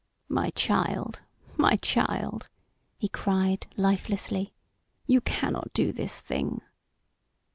"My child, my child!" he cried, lifelessly. "You cannot do this thing!"